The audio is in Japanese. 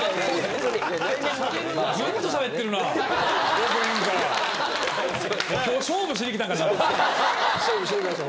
ずっとしゃべってるな、きょう、勝負しに来ました。